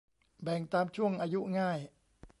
แบ่งตามช่วงอายุง่าย